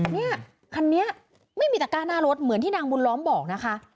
เนี่ยคันนี้ไม่มีตะก้าหน้ารถเหมือนที่นางบุญล้อมบอกนะคะ